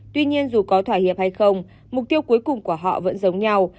tuy nhiên dù có thỏa hiệp hay không mục tiêu cuối cùng của họ vẫn giống nhau